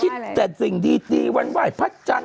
ให้คิดแต่สิ่งดีวันว่ายพระจันทร์